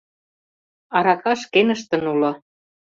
Арака шкеныштын уло.